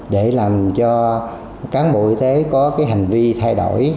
để làm cho cán bộ y tế có cái hành vi thay đổi